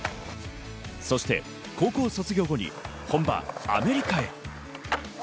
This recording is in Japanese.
そして高校卒業後に本場アメリカへ。